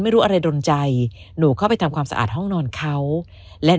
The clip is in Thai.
ไม่รู้อะไรดนใจหนูเข้าไปทำความสะอาดห้องนอนเขาและ